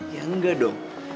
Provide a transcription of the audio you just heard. ya enggak dong